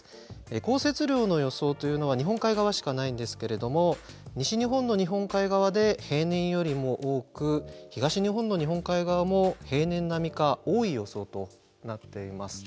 降雪量の予想というのは日本海側しかないんですけれども西日本の日本海側で平年よりも多く東日本の日本海側も平年並みか多い予想となっています。